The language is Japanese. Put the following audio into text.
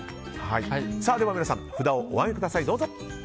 では皆さん、札をお上げください。